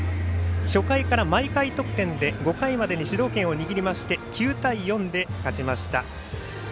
初回から毎回得点で５回までに主導権を握りまして９対４で勝ちました。